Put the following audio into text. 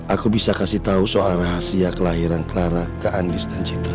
aku bisa kasih tahu soal rahasia kelahiran clara ke andis dan citra